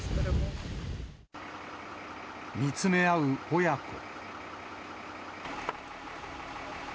見つめ合う親子。